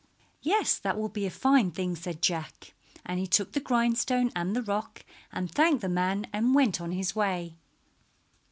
"Yes, that will be a fine thing," said Jack, and he took the grindstone and the rock and thanked the man and went on his way.